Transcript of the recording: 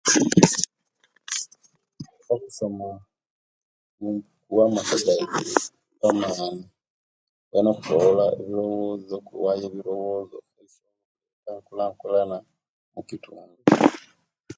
Okusoma ku... Kuwa amaka gaisu amaani bona okusobola ebirowozo nokuwayo ebirowozo nenkulankulana omukitundu.